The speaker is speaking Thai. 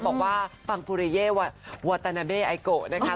บอกว่าปังปุเรเยวะวัตนาเบไอโกะนะคะ